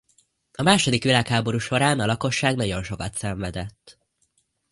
A második világháború során a lakosság nagyon sokat szenvedett.